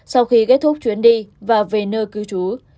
sau khi kết thúc chuyến đi và về nơi cư trú